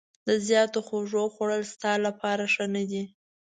د زیاتو خوږو خوړل ستا لپاره ښه نه دي.